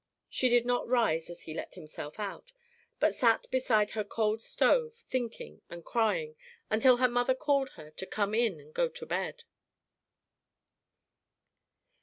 She did not rise as he let himself out, but sat beside her cold stove thinking and crying until her mother called her to come in and go to bed.